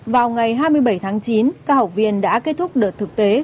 vào ngày hai mươi bảy tháng chín các học viên đã kết thúc đợt thực tế